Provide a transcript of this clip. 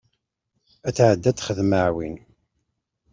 Ad tɛeddi ad texdem aɛwin.